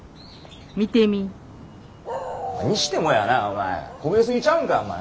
見てみ。にしてもやなお前焦げすぎちゃうんかお前。